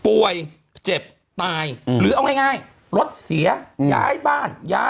ป่วยเจ็บตายหรือเอาง่ายรถเสียย้ายบ้านย้าย